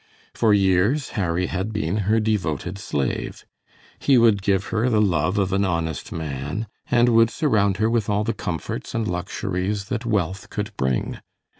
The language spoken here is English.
For years Harry had been her devoted slave. He would give her the love of an honest man, and would surround her with all the comforts and luxuries that wealth could bring.